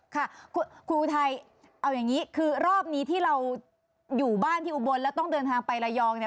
ค่ะคุณอุทัยเอาอย่างนี้คือรอบนี้ที่เราอยู่บ้านที่อุบลแล้วต้องเดินทางไประยองเนี่ย